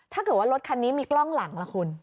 ถ้าเกิดว่ารถคันนี้มีกล้องหลังล่ะคุณ